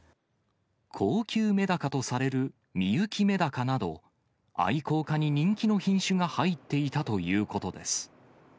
高級メダカとされるミユキメダカなど、愛好家に人気の品種が入っていたということです。